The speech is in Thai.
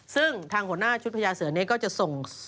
ซึ่งทางหัวหน้าชุดพญาเสือนี้ก็จะส่ง